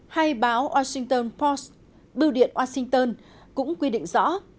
hay báo washington post bưu điện washington cũng quy định rõ